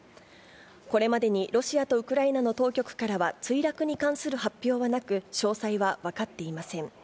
これまでにロシアとウクライナの当局からは墜落に関する発表はなく、詳細は分かっていません。